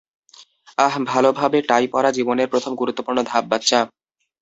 আহ ভালভাবে টাই পড়া জীবনের প্রথম গুরুত্বপূর্ণ ধাপ, বাচ্চা।